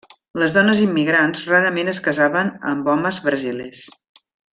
Les dones immigrants rarament es casaven amb homes brasilers.